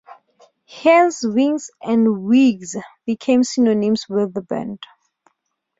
Hence, "wings and wigs" became synonymous with the band.